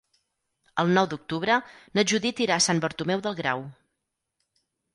El nou d'octubre na Judit irà a Sant Bartomeu del Grau.